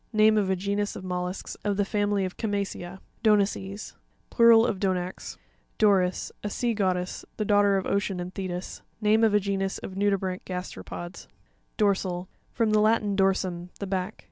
Name of a genus of mollusks of the family of Chama'. cea (page 84), Do'naces.—Plural of Donax. Do'ris.—A sea goddess, the daughter of Ocean and Thetys. Name ofa genus of nudibranch gasteropods (page 65). Do'rsat.—From the Latin, dorsum, the back.